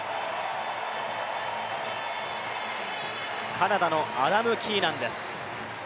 カナダのアダム・キーナンです。